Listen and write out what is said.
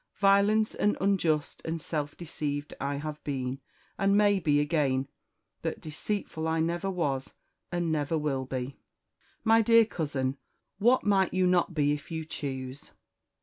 Violent and unjust, and self deceived, I have been, and may be again; but deceitful I never was, and never will be." "My dear cousin, what might you not be if you chose!"